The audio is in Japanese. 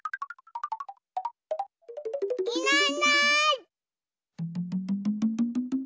いないいない。